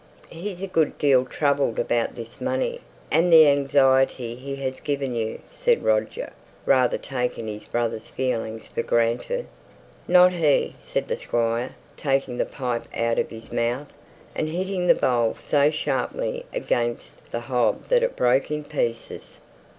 "He's a good deal troubled about this money, and the anxiety he has given you," said Roger, rather taking his brother's feelings for granted. "Not he," said the Squire, taking the pipe out of his mouth, and hitting the bowl so sharply against the hob that it broke in pieces.